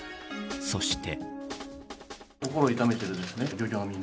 そして。